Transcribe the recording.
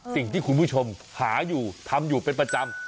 สิ่งที่คุณผู้ชมหาอยู่ทำอยู่เป็นประจำ